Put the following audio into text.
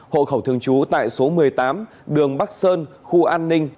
hộ khẩu thường trú tại số một mươi tám đường bắc sơn khu an ninh